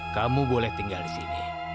kamu boleh tinggal di sini